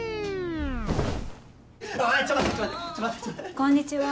こんにちは。